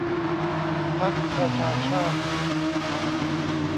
พรรคประชาชาติ